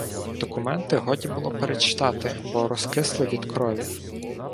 Документи годі було перечитати, бо розкисли від крові.